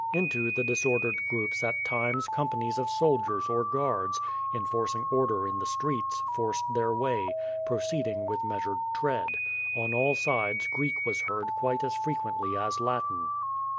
Into the disordered groups at times companies of soldiers or guards, enforcing order in the streets, forced their way, proceeding with measured tread. On all sides Greek was heard quite as frequently as Latin.